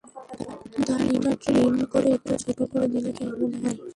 দাঁড়িটা trim করে একটু ছোট করে দিলে কেমন হয়?